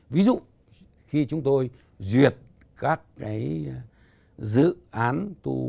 ví dụ khi chúng tôi duyệt các cái dự án tu bổ di tích